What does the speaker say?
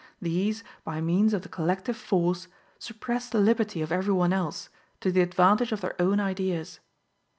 These, by means of the collective force, suppress the liberty of every one else, to the advantage of their own ideas.